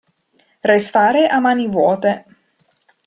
Restare a mani vuote.